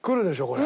これ。